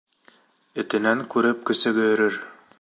Этенән күреп, көсөгө өрөр.